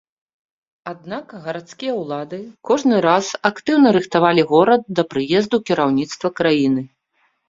Аднак гарадскія ўлады кожны раз актыўна рыхтавалі горад да прыезду кіраўніцтва краіны.